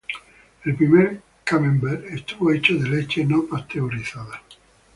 El primer camembert estuvo hecho de leche no pasteurizada.